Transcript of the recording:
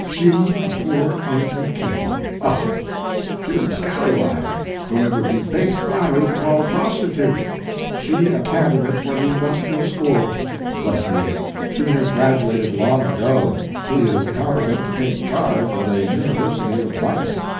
She a poor innocent kitten! Oh! She was a scallawag whom it would be base flattery to call a prostitute! She a candidate for the Industrial School! Bless you, she has graduated long ago. She is competent to take charge of a University of Vice.